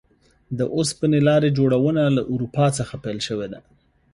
د اوسپنې لارې جوړونه له اروپا څخه پیل شوې ده.